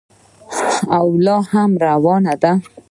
او لا هم روانه ده.